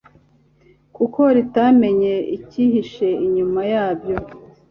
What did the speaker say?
kuko ritamenye icyihishe inyuma yabyo.